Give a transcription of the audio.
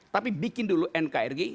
tapi bikin dulu nkri